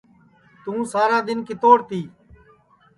توں سارا دؔن کِتوڑ تی